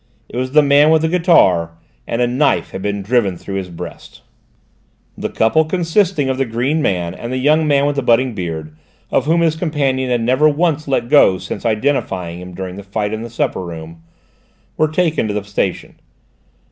It was the man with the guitar, and a knife had been driven through his breast! The couple consisting of the green man and the young man with the budding beard, of whom his companion had never once let go since identifying him during the fight in the supper room, were taken to the station.